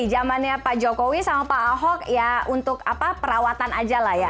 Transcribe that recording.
zamannya pak jokowi sama pak ahok ya untuk perawatan aja lah ya